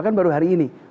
kan baru hari ini